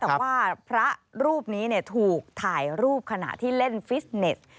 แต่ว่าพระรูปนี้ถูกถ่ายรูปขณะที่เล่นฟิสเน็ต